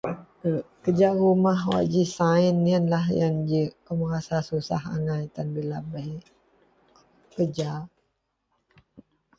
kerja rumah wak ji sains yenlah yang ji kou merasa susah angai tan bila bei kerja.